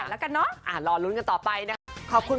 มันใช่ใช่ไหม